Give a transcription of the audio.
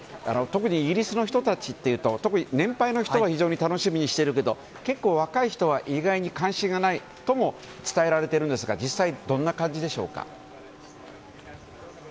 特にイギリスの人たちというと特に年配の人は非常に楽しみにしているけど結構、若い人は意外に関心がないとも伝えられているんですが実際どんな感じでしょうか？